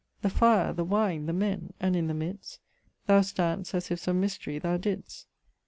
The fire, the wine, the men! and in the midst Thou stand'st as if some mysterie thou didst!